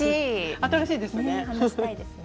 新しいですね。